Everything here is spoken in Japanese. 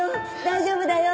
大丈夫だよ。